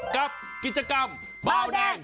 กับกิจกรรมเบาแดง